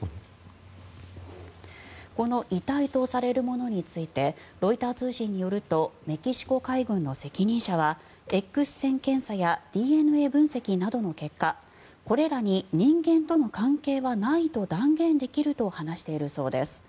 この遺体とされるものについてロイター通信によるとメキシコ海軍の責任者はＸ線検査やＤＮＡ分析の結果これに人間との関係はないと断言できると話しているそうです。